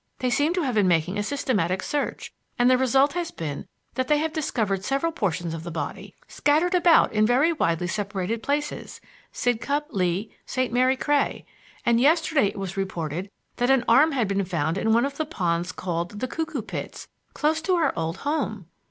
They seem to have been making a systematic search, and the result has been that they have discovered several portions of the body, scattered about in very widely separated places Sidcup, Lee, St. Mary Cray; and yesterday it was reported that an arm had been found in one of the ponds called 'the Cuckoo Pits,' close to our old home."